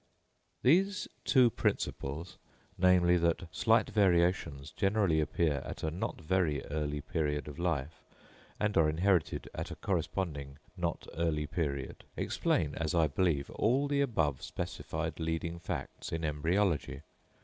These two principles, namely, that slight variations generally appear at a not very early period of life, and are inherited at a corresponding not early period, explain, as I believe, all the above specified leading facts in embryology.